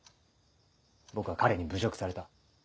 僕は彼に侮辱された。